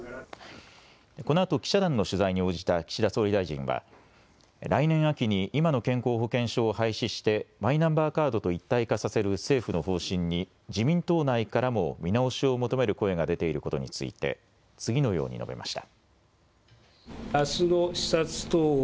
このあと記者団の取材に応じた岸田総理大臣は来年秋に今の健康保険証を廃止してマイナンバーカードと一体化させる政府の方針に自民党内からも見直しを求める声が出ていることについて次のように述べました。